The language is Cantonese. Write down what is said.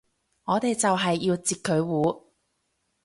我哋就係要截佢糊